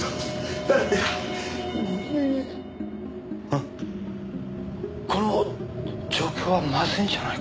あっこの状況はまずいんじゃないか？